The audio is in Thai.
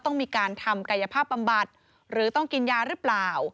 ต้องมีการทำกายภาพบำบัดหรือต้องกินยาหรือเปล่า